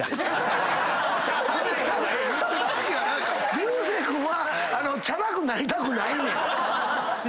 竜星君はチャラくなりたくないねん。